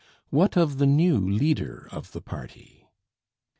What of the new leader of the party?